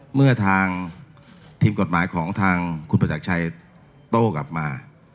เมื่อทางทีมกฎหมายของทางคุณประจักรชัยโต้กลับมา